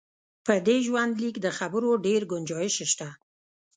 په دې ژوندلیک د خبرو ډېر ګنجایش شته.